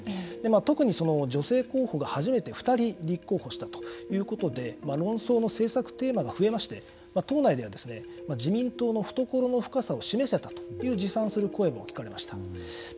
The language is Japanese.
特に女性候補が初めて２人立候補したということで論争の政策テーマが増えまして党内では自民党の懐の深さを示せたという自賛する声も聞かれました。